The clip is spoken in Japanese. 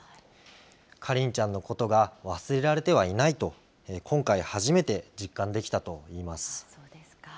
花梨ちゃんのことが忘れられてはいないと、今回初めて実感できたといいます。